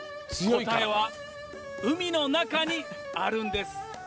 答えは海の中にあるんです。